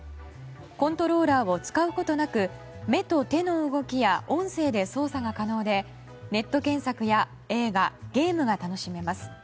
コントローラーを使うことなく目と手の動きや音声で操作が可能でネット検索や映画ゲームが楽しめます。